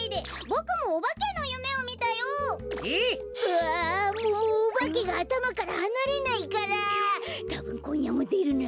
あもうおばけがあたまからはなれないからたぶんこんやもでるな。